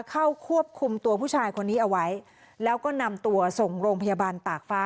เข้าควบคุมตัวผู้ชายคนนี้เอาไว้แล้วก็นำตัวส่งโรงพยาบาลตากฟ้า